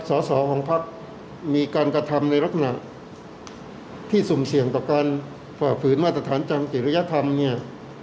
สอสอของพักมีการกระทำในลักษณะที่สุ่มเสี่ยงต่อการฝ่าฝืนมาตรฐานทางจิริยธรรมเนี่ย